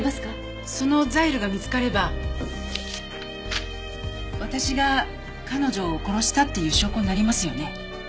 そのザイルが見つかれば私が彼女を殺したっていう証拠になりますよね？